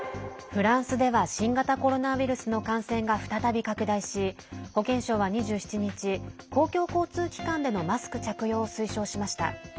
フランスでは新型コロナウイルスの感染が再び拡大し保健省は２７日公共交通機関でのマスク着用を推奨しました。